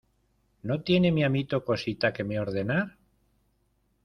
¿ no tiene mi amito cosita que me ordenar?